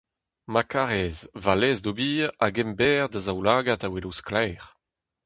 Ma karez, va lez d'ober, hag emberr da zaoulagad a welo sklaer !